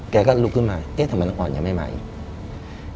แกก็ลุกขึ้นมาแกก็ว่าน้องอ่อนเรียงไม่มาอีก